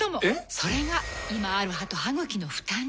それが今ある歯と歯ぐきの負担に。